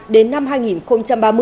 đến năm hai nghìn ba mươi